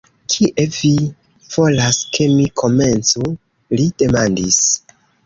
"Kie vi volas ke mi komencu?" li demandis.